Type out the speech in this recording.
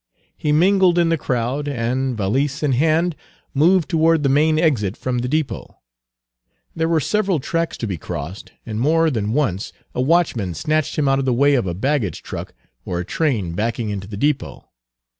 He mingled in the crowd, and, valise in hand, moved toward the main exit from the depot. There were several tracks to be crossed, and more than once a watchman snatched him out of the way of a baggage truck, or a train backing into the depot.